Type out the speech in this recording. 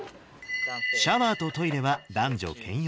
シャワーとトイレは男女兼用。